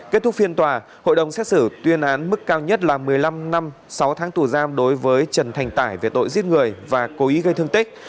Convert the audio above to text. kết thúc phiên tòa hội đồng xét xử tuyên án mức cao nhất là một mươi năm năm sáu tháng tù giam đối với trần thành tải về tội giết người và cố ý gây thương tích